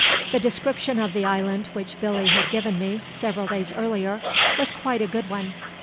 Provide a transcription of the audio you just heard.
The description of the island which Billy had given me, several days earlier, was quite a good one.